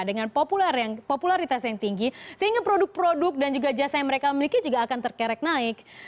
dengan popularitas yang tinggi sehingga produk produk dan juga jasa yang mereka miliki juga akan terkerek naik